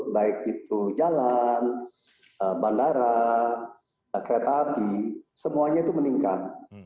baik itu jalan bandara kereta api semuanya itu meningkat